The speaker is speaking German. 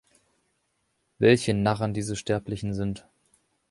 Welche Narren diese Sterblichen sind